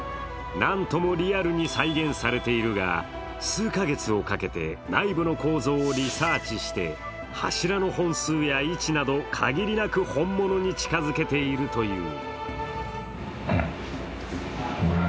なんともリアルに再現されているが、数か月をかけて内部の構造をリサーチして柱の本数や位置など限りなく本物に近づけているという。